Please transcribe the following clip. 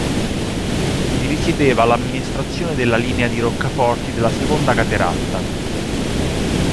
Vi risiedeva l'amministrazione della linea di roccaforti della seconda cateratta.